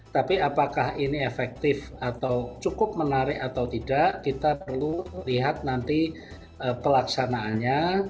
tapi apakah ini efektif atau cukup menarik atau tidak kita perlu lihat nanti pelaksanaannya